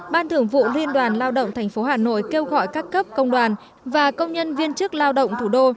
ban thưởng vụ liên đoàn lao động tp hà nội kêu gọi các cấp công đoàn và công nhân viên chức lao động thủ đô